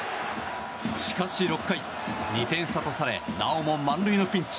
しかし、６回２点差とされなおも満塁のピンチ。